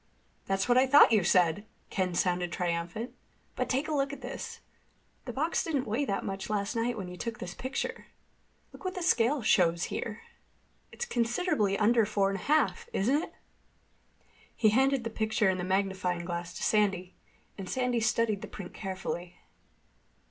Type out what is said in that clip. "That's what I thought you said!" Ken sounded triumphant. "But take a look at this. The box didn't weigh that much last night when you took this picture. Look what the scale shows here. It's considerably under four and a half. Isn't it?" He handed the picture and the magnifying glass to Sandy, and Sandy studied the print carefully.